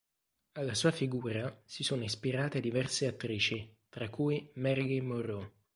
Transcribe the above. Alla sua figura si sono ispirate diverse attrici tra cui Marilyn Monroe.